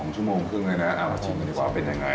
ชั่วโมงครึ่งเลยนะเอามาชมกันดีกว่าเป็นยังไง